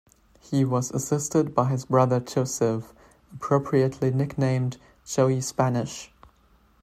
He was assisted by his brother Joseph, appropriately nicknamed, "Joey Spanish".